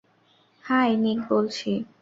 High, Nick বলছি।